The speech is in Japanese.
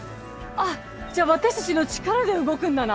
じゃあ私たちの力で動くんだな？